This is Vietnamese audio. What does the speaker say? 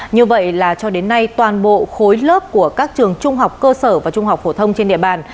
như vậy là cho đến nay toàn bộ khối lớp của các trường trung học cơ sở và trung học phổ thông trên địa bàn